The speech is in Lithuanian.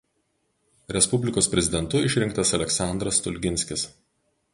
Respublikos Prezidentu išrinktas Aleksandras Stulginskis.